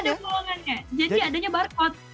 nggak ada bolongannya jadi adanya barcode